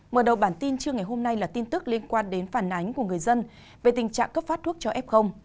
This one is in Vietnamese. mở đầu bản tin trưa ngày hôm nay là tin tức liên quan đến phản ánh của người dân về tình trạng cấp phát thuốc cho f